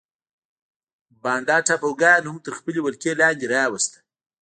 بانډا ټاپوګان هم تر خپلې ولکې لاندې راوسته.